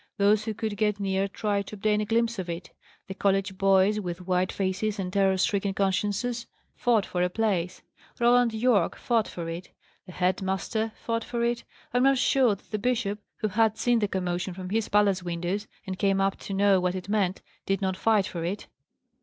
Those who could get near tried to obtain a glimpse of it. The college boys, with white faces and terror stricken consciences, fought for a place; Roland Yorke fought for it; the head master fought for it: I am not sure that the bishop who had seen the commotion from his palace windows, and came up to know what it meant did not fight for it.